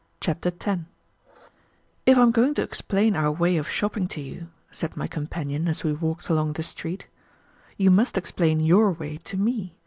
Chapter 10 "If I am going to explain our way of shopping to you," said my companion, as we walked along the street, "you must explain your way to me.